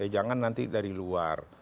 jangan nanti dari luar